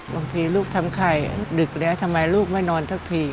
บางทีลูกทำไข่ดึกแล้วทำไมลูกไม่นอนสักที